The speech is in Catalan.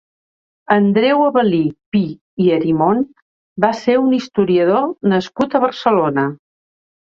Andreu Avel·lí Pi i Arimon va ser un historiador nascut a Barcelona.